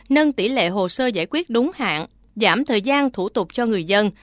nâng tỷ lệ hồ sơ giải quyết đúng hạn giảm thời gian thủ tục cho người dân